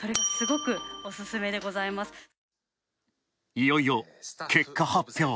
いよいよ結果発表。